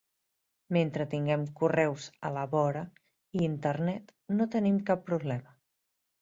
Mentre tinguem Correus a la vora i internet, no tenim cap problema.